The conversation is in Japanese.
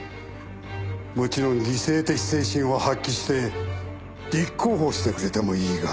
もちろん犠牲的精神を発揮して立候補してくれてもいいが。